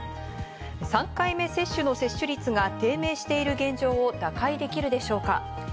３回目接種の接種率が低迷している現状を打開できるでしょうか。